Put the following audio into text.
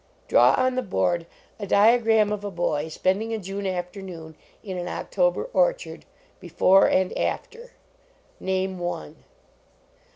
Draw on the board a diagram of a boy spending a June afternoon in an October orchard, before and after. Name one.